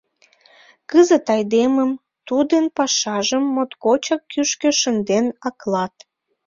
Кызыт айдемым, тудын пашажым моткочак кӱшкӧ шынден аклат.